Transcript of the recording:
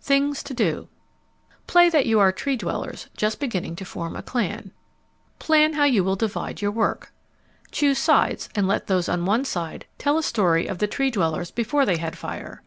THINGS TO DO Play that you are Tree dwellers just beginning to form a clan. Plan how you will divide your work. _Choose sides and let those on one side tell a story of the Tree dwellers before they had fire.